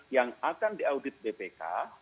yang akan diaudit bpk